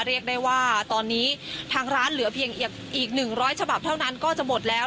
เรียกได้ว่าตอนนี้ทางร้านเหลือเพียงอีก๑๐๐ฉบับเท่านั้นก็จะหมดแล้ว